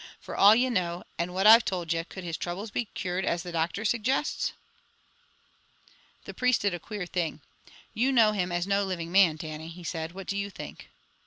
From all ye know, and what I've told ye, could his trouble be cured as the doctor suggests?" The priest did a queer thing. "You know him as no living man, Dannie," he said. "What do you think?"